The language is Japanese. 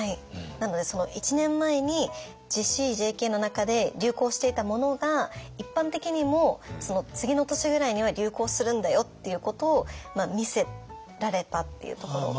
なのでその１年前にＪＣ・ＪＫの中で流行していたものが一般的にもその次の年ぐらいには流行するんだよっていうことを見せられたっていうところが。